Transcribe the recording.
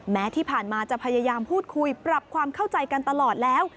แม้ที่ผ่านมาจะพยายามพูดคุยปรับความเข้าใจกันตลอดแล้ว